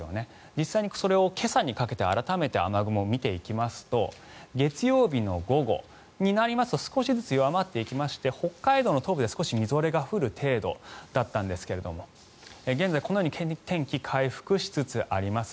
実際にそれを今朝にかけて雨雲を見てみますと月曜日の午後になりますと少しずつ弱まっていきまして北海道の東部で少しみぞれが降る程度だったんですが現在、このように天気は回復しつつあります。